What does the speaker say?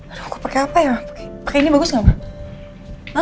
aduh aku pakai apa ya pakai ini bagus nggak ma